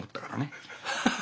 ハハハ！